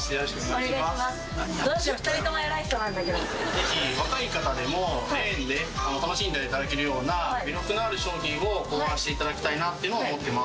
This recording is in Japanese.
ぜひ若い方でもレーンで楽しんでいただけるような魅力のある商品を考案していただきたいなと思ってます。